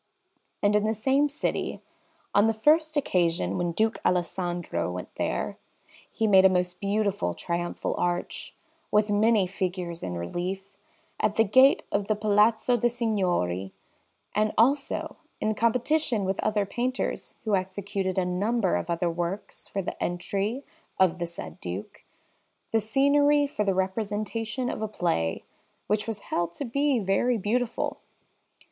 And in the same city, on the first occasion when Duke Alessandro went there, he made a most beautiful triumphal arch, with many figures in relief, at the gate of the Palazzo de' Signori; and also, in competition with other painters who executed a number of other works for the entry of the said Duke, the scenery for the representation of a play, which was held to be very beautiful.